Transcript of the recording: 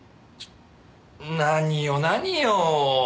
何よ何よ。